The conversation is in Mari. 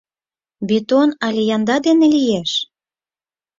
Бетон але янда дене лиеш?